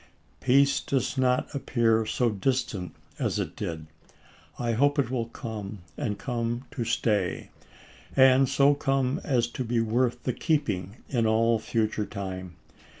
Peace does not appear so distant as it did. I hope it will come soon, and come to stay ; and so come as to be worth the keeping in all future time.